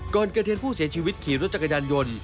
ก่อนเกิดเหตุผู้เสียชีวิตขี่รถจักรยานยนต์